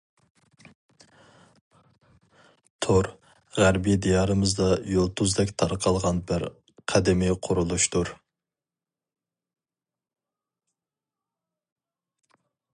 تور — غەربى دىيارىمىزدا يۇلتۇزدەك تارقالغان بىر قەدىمى قۇرۇلۇشتۇر.